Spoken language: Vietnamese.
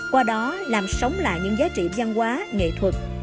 qua đó làm sống lại những giá trị văn hóa nghệ thuật